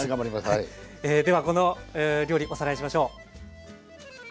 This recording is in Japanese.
ではこの料理おさらいしましょう。